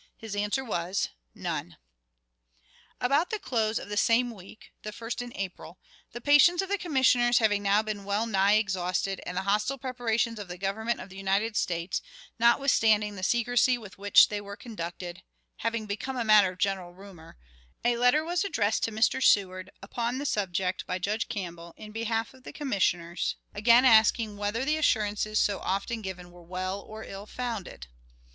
His answer was, 'None.'" About the close of the same week (the first in April), the patience of the Commissioners having now been wellnigh exhausted, and the hostile preparations of the Government of the United States, notwithstanding the secrecy with which they were conducted, having become matter of general rumor, a letter was addressed to Mr. Seward, upon the subject, by Judge Campbell, in behalf of the Commissioners, again asking whether the assurances so often given were well or ill founded.